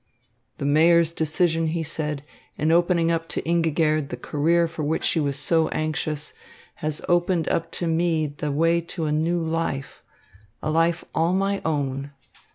"The Mayor's decision," he said, "in opening up to Ingigerd the career for which she was so anxious, has opened up to me the way to a new life, a life all my own.